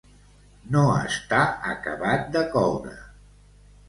No estar acabat de coure.